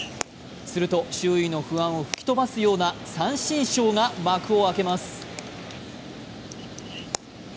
すると周囲の不安を吹き飛ばすような三振ショーが幕を開けます。